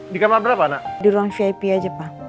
di kamar berapa nak di ruang vip aja pak